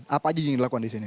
apa aja yang dilakukan di sini